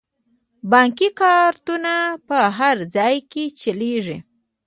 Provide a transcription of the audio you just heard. بانکي کارتونه په هر ځای کې چلیږي.